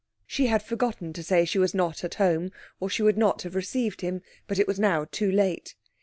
She had forgotten to say she was not at home, or she would not have received him; but it was now too late.